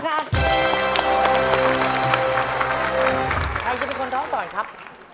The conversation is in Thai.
ใครจะเป็นคนท้องต่อยครับ